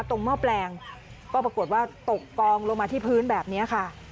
หม้อแปลงก็ปรากฏว่าตกกองลงมาที่พื้นแบบนี้ค่ะ